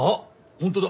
本当だ。